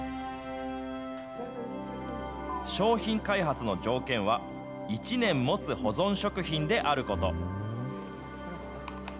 商品開発の条件は、１年もつ保存食品であること。